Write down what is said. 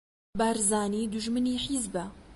بارزانی دوژمنی حیزبە